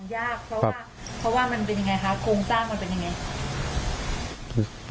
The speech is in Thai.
ยากเพราะว่าเพราะว่ามันเป็นยังไงคะโครงสร้างมันเป็นยังไง